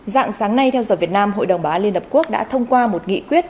dạng sáng nay theo giờ việt nam hội đồng bảo an liên hợp quốc đã thông qua một nghị quyết